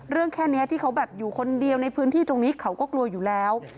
แค่นี้ที่เขาแบบอยู่คนเดียวในพื้นที่ตรงนี้เขาก็กลัวอยู่แล้ว